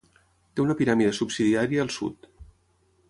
Té una piràmide subsidiària al sud.